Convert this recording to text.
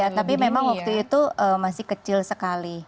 ya tapi memang waktu itu masih kecil sekali